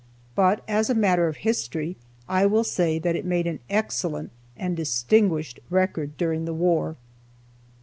But as a matter of history, I will say that it made an excellent and distinguished record during the war.